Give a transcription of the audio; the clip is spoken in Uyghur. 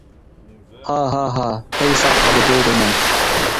ھا ھا ھا، پەي ساق قالىدۇ دەيمەن.